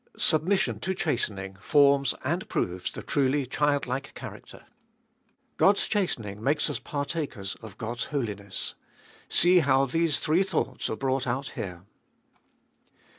Submission to chastening forms and proves the truly childlike character. God's chastening makes us partakers of God's holiness. See how these three thoughts are brought out here.